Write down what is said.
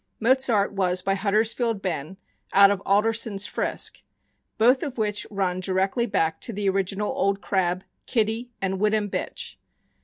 Mozart was by Huddersfield Ben, out of Alderson' s Frisk, both of which run directly back to the original Old Crab, Kitty, and Whittam bitch.